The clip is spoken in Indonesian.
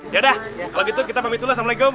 ya udah kalau gitu kita pamitullah assalamualaikum